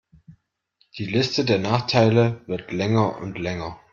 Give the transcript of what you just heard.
Die Liste der Nachteile wird länger und länger.